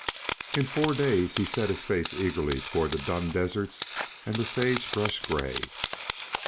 In four days he set his face eagerly toward the dun deserts and the sage brush gray.